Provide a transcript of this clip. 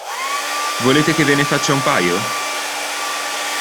Volete che ve ne faccia un paio?